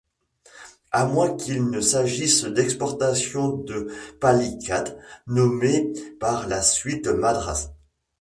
A moins qu'il ne s'agisse d'exportation de Palicate, nommé par la suite Madras.